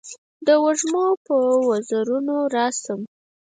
د وږمو په وزرونو راشم